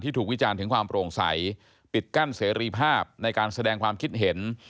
ถูกวิจารณ์ถึงความโปร่งใสปิดกั้นเสรีภาพในการแสดงความคิดเห็น